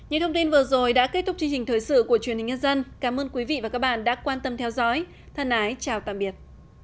tổ chức y tế thế giới who đã đưa ra ý tưởng trang bị súng cho khoảng một phần năm số giáo viên trên toàn quốc